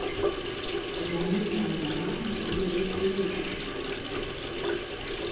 Яны з мулярам людзі прыезджыя.